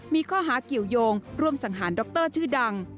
มีข้อหาเกี่ยวยงร่วมสังหารดรชื่อดัง